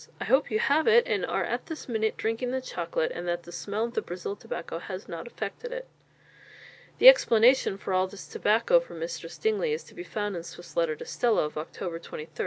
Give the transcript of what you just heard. I hope you have it, and are this minute drinking the chocolate, and that the smell of the Brazil tobacco has not affected it." The explanation of all this tobacco for Mistress Dingley is to be found in Swift's letter to Stella of October 23, 1711.